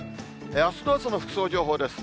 あすの朝の服装情報です。